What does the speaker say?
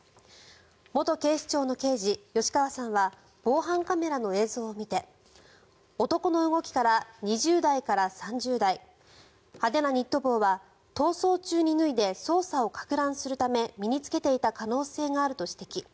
元警視庁の刑事、吉川さんは防犯カメラの映像を見て男の動きから２０代から３０代派手なニット帽は逃走中に脱いで捜査をかく乱するため身に着けていた可能性があると指摘。